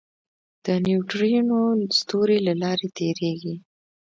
د نیوټرینو ستوري له لارې تېرېږي.